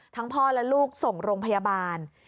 พ่อและลูกส่งโรงพยาบาล